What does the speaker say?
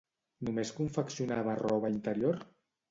Només confeccionava roba interior?